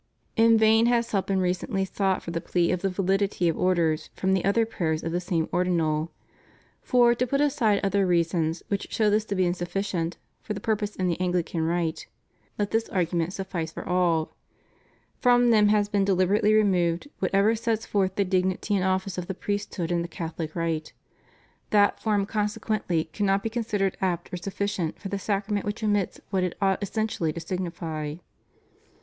In vain has help been recently sought for the plea of the vahdity of Orders from the other prayers of the same Ordinal. For, to put aside other reasons which show this to be insufficient for the purpose in the Anglican rite, let this argument suffice for all : from them has been deliberately removed whatever sets forth the dignity and office of the priesthood in the Cathohc rite. That fonn consequently cannot be considered apt or sufficient for the sacrament which omits what it ought essentially to signify.